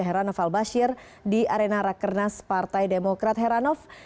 herano falbashir di arena rakernas partai demokrat heranov